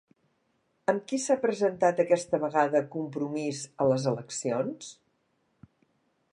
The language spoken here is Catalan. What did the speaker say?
Amb qui s'ha presentat aquesta vegada Compromís a les eleccions?